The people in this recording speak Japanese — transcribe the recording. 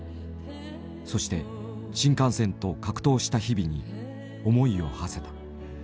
そして新幹線と格闘した日々に思いをはせた。